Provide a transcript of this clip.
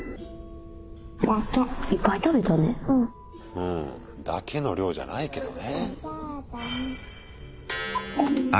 うん「だけ」の量じゃないけどね。